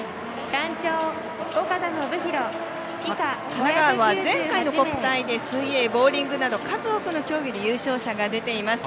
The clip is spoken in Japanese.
神奈川は前回の国体で水泳、ボウリングなど数多くの競技で優勝者が出ています。